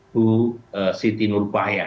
bu siti nur bahaya